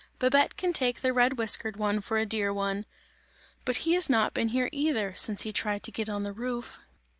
Babette can take the red whiskered one for a dear one, but he has not been here either, since he tried to get on the roof!"